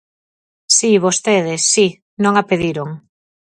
Si, vostedes, si, non a pediron.